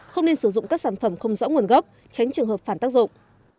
không nên sử dụng các sản phẩm không rõ nguồn gốc tránh trường hợp phản tác dụng